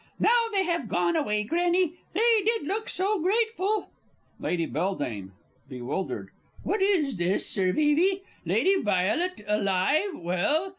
_) Now they have gone away, Granny.... They did look so grateful! Lady B. (bewildered). What is this! Sir Vevey, Lady Violet, alive, well?